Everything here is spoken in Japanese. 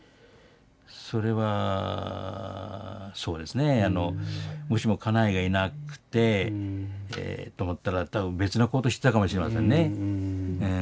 それはそうですねもしも家内がいなくてと思ったら多分別な行動してたかもしれませんね。